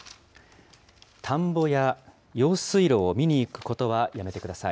田んぼや用水路を見に行くことはやめてください。